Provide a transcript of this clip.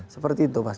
seperti itu mas